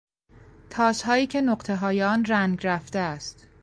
تاسهایی که نقطههای آن رنگ رفته است